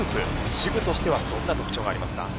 手具としてはどんな特徴がありますか。